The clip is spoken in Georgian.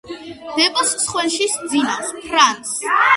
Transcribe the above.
ბებოს სხვენში სძინავს ფრანს